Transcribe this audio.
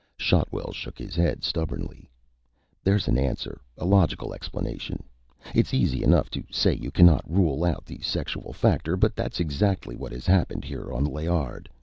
Shotwell shook his head stubbornly. "There's an answer, a logical explanation. It's easy enough to say you cannot rule out the sexual factor, but that's exactly what has happened here on Layard.